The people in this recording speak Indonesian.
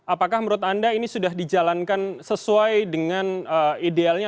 apakah menurut anda ini sudah dijalankan sesuai dengan idealnya